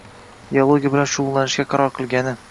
geologiya bilan shugʻullanishga qaror qilgani